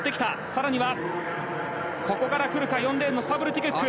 更にはここからくるか、４レーンスタブルティ・クック。